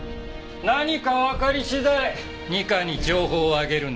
何かわかり次第二課に情報を上げるんだ。